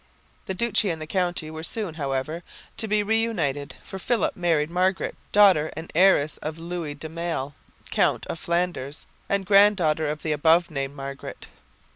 The duchy and the county were soon, however, to be re united, for Philip married Margaret, daughter and heiress of Louis de Male, Count of Flanders, and granddaughter of the above named Margaret.